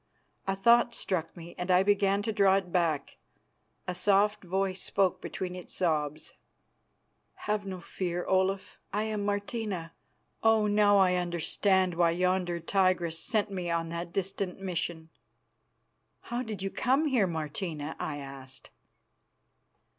A thought struck me, and I began to draw it back. A soft voice spoke between its sobs. "Have no fear, Olaf. I am Martina. Oh, now I understand why yonder tigress sent me on that distant mission." "How did you come here, Martina?" I asked.